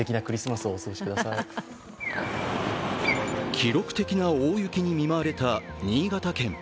記録的な大雪に見舞われた新潟県。